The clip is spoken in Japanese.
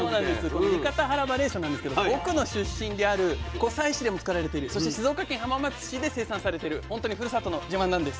この三方原ばれいしょなんですけど僕の出身である湖西市でも作られてるそして静岡県浜松市で生産されてる本当にふるさとの自慢なんです。